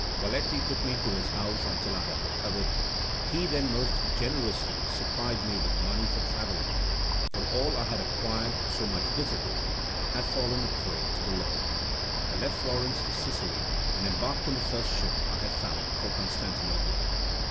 Valetti took me to his house until I had recovered; he then most generously supplied me with money for travelling, for all I had acquired with so much difficulty had fallen a prey to the law. I left Florence for Sicily and embarked on the first ship that I found for Constantinople.